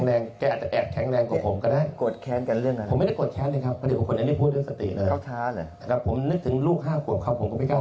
แต่ผมนึกถึงลูก๕กว่าผมก็ไม่กล้าทำอะไรเข้ามา